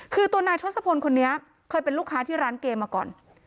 คือตัวนายทศพลคนนี้เคยเป็นลูกค้าที่ร้านเกมมาก่อน